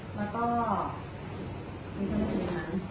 แล้วก็มีเครื่องเล่นชีวิตนั้น